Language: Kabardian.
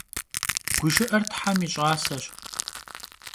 Guşşı'er them yi ş'aseş.